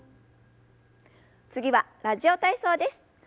次は「ラジオ体操」です。